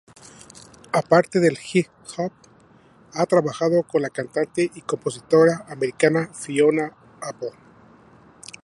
Aparte del hip hop, ha trabajado con la cantante y compositora americana Fiona Apple.